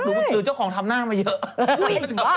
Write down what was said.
หรือเจ้าของทำหน้ามาเยอะ